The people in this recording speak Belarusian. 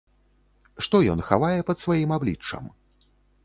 Што ён хавае пад сваім абліччам?